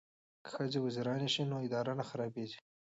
که ښځې وزیرانې شي نو اداره نه خرابیږي.